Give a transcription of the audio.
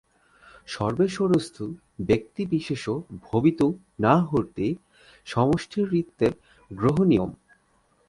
সর্বেশ্বরস্তু ব্যক্তিবিশেষো ভবিতুং নার্হতি, সমষ্টিরিত্যেব গ্রহণীয়ম্।